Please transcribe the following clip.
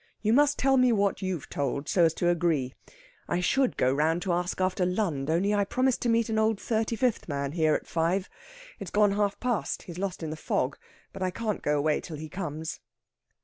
You must tell me what you've told, so as to agree. I should go round to ask after Lund, only I promised to meet an old thirty fifth man here at five. It's gone half past. He's lost in the fog. But I can't go away till he comes."